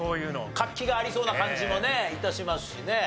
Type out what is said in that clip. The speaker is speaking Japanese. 活気がありそうな感じもね致しますしね。